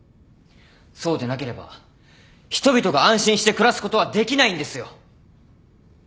そうでなければ人々が安心して暮らすことはできないんですよ。